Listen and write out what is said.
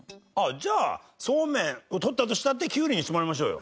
じゃあそうめんを取ったとしたってキュウリにしてもらいましょうよ。